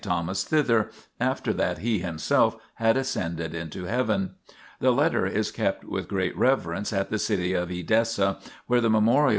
Thomas thither, after that He Himself had ascended into Heaven. 1 The letter is kept with great reverence at the city of Edessa, where the memorial 1 See Eus.